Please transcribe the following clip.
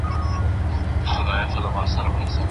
خپلواک پاته کېدل د لارښود استاد بله ډېره مهمه ځانګړنه ده.